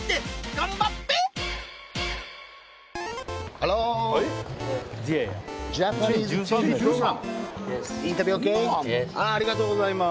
ありがとうございます